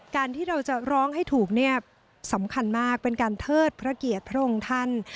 การที่เราจะร้องให้ถูกเนี่ยสำคัญมากเป็นการเทิดพระเกียรติพระองค์ท่าน